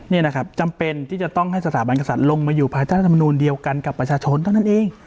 นี่นะครับจำเป็นที่จะต้องให้สถาบันกษัตริย์ลงมาอยู่ภายใต้รัฐมนูลเดียวกันกับประชาชนเท่านั้นเอง